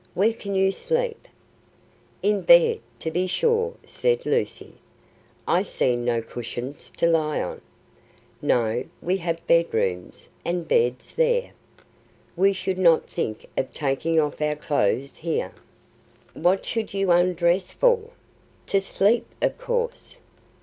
Where can you sleep?" "In bed, to be sure" said Lucy. "I see no cushions to lie on." "No; we have bedrooms, and beds there. We should not think of taking off our clothes here." "What should you undress for?" "To sleep, of course."